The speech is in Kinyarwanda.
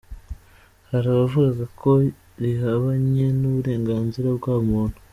Hari abavugaga ko rihabanye n’uburenganzira bwa muntu